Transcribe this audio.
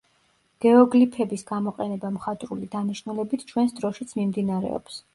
გეოგლიფების გამოყენება მხატვრული დანიშნულებით ჩვენს დროშიც მიმდინარეობს.